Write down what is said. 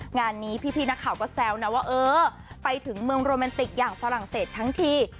งานนี้พี่นักข่าวก็แซวนะว่าเออไปถึงเมืองโรแมนติกอย่างฝรั่งเศสทั้งที